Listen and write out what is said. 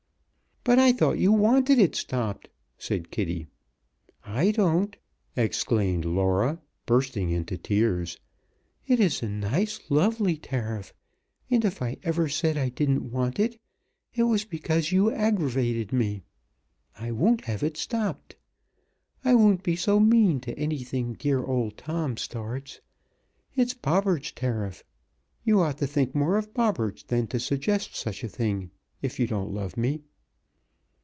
"But I thought you wanted it stopped," said Kitty. "I don't!" exclaimed Laura, bursting into tears. "It is a nice, lovely tariff, and if I ever said I didn't want it, it was because you aggravated me. I won't have it stopped. I won't be so mean to anything dear old Tom starts. It's Bobberts' tariff. You ought to think more of Bobberts than to suggest such a thing, if you don't love me."